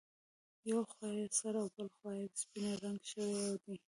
یوه خوا یې سره او بله خوا یې سپینه رنګ شوې ده.